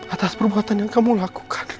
atas perbuatan yang kamu lakukan